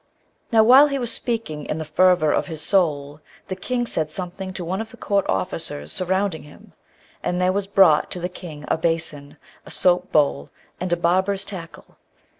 Now, while he was speaking in the fervour of his soul, the King said something to one of the court officers surrounding him, and there was brought to the King a basin, a soap bowl, and barber's tackle.